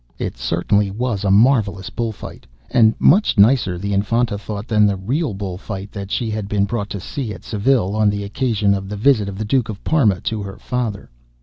It certainly was a marvellous bull fight, and much nicer, the Infanta thought, than the real bull fight that she had been brought to see at Seville, on the occasion of the visit of the Duke of Parma to her father.